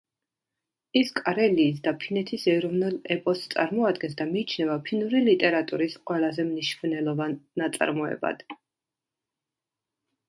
ის კარელიის და ფინეთის ეროვნულ ეპოსს წარმოადგენს და მიიჩნევა ფინური ლიტერატურის ყველაზე მნიშვნელოვან ნაწარმოებად.